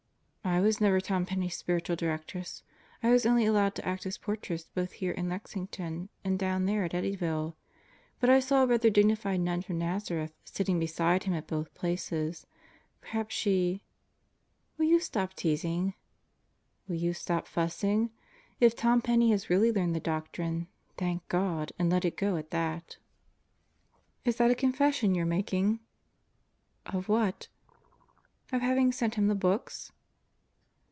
"I was never Tom Penney's spiritual directress. I was only allowed to act as portress both here in Lexington and down there at Eddyville. But I saw a rather dignified nun from Nazareth sitting beside him at both places. Perhaps she ..." "Will you stop teasing?" "Will you stop fussing? If Tom Penney has really learned the doctrine, thank God and let it go at that." "Is that a confession you're making?" "Of what?" "Of having sent him the books?"